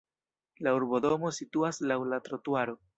La urbodomo situas laŭ la trotuaro.